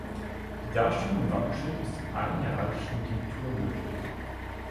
Die Darstellung im Wappenschild ist in allen heraldischen Tinkturen möglich.